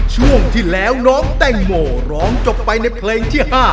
ช่วงที่แล้วน้องแตงโมร้องจบไปในเพลงที่๕